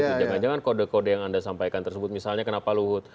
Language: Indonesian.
jangan jangan kode kode yang anda sampaikan tersebut misalnya kenapa luhut